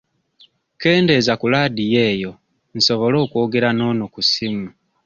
Kendeeza ku Ladiyo eyo nsobole okwogera n'ono ku ssimu.